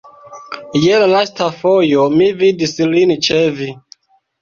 Je la lasta fojo mi vidis lin ĉe vi.